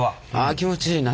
あ気持ちいい。